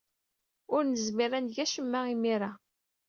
Ur nezmir ad neg acemma imir-a.